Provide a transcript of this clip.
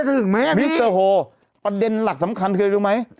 ถึงไหมอ่ะมิสเตอร์โฮประเด็นหลักสำคัญคืออะไรรู้ไหม